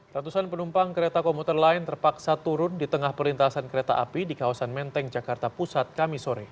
ratusan penumpang kereta komuter lain terpaksa turun di tengah perlintasan kereta api di kawasan menteng jakarta pusat kami sore